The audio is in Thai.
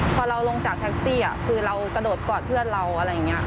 พอเราลงจากแท็กซี่คือเรากระโดดกอดเพื่อนเราอะไรอย่างนี้